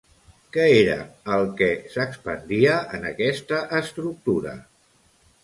Què era el que s'expandia en aquesta estructura?